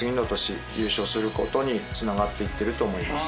することにつながっていってると思います。